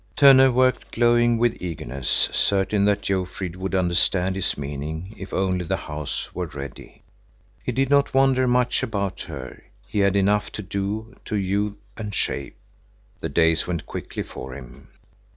Tönne worked, glowing with eagerness, certain that Jofrid would understand his meaning, if only the house were ready. He did not wonder much about her; he had enough to do to hew and shape. The days went quickly for him.